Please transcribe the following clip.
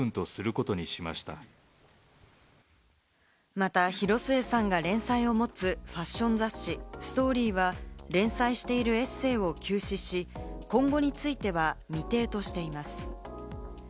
また広末さんが連載を持つファッション雑誌『ＳＴＯＲＹ』は、連載しているエッセーを休止し、今後については未定としています。